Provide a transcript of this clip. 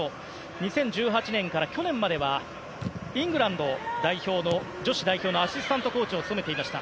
２０１８年から去年まではイングランド女子代表のアシスタントコーチを務めていました。